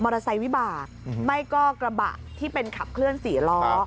ไซค์วิบากไม่ก็กระบะที่เป็นขับเคลื่อนสี่ล้อ